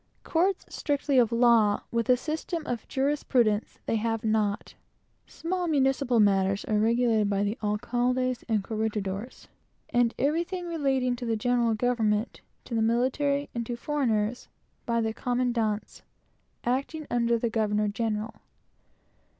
Courts and jurisprudence they have no knowledge of. Small municipal matters are regulated by the alcaldes and corregidores; and everything relating to the general government, to the military, and to foreigners, by the commandants, acting under the governor general.